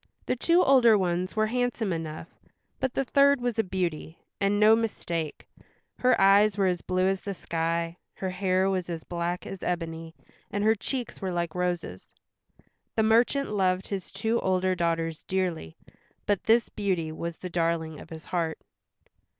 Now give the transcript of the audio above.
The two older ones were handsome enough, but the third was a beauty, and no mistake; her eyes were as blue as the sky, her hair was as black as ebony, and her cheeks were like roses. The merchant loved his two older daughters dearly, but this Beauty was the darling of his heart.